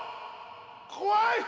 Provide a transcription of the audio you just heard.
怖い！